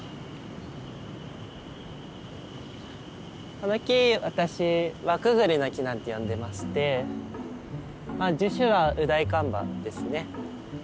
この木私輪くぐりの木なんて呼んでましてまあ樹種はウダイカンバですね。